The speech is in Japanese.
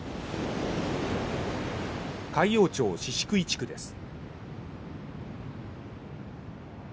海陽町宍喰地区です。